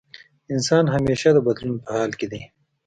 انسان همېشه د بدلون په حال کې دی.